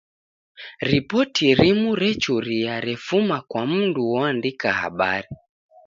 Ripoti rimu rechuria refuma kwa mndu oandika habari.